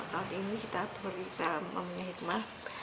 kali ini kita beriksa memiliki hikmah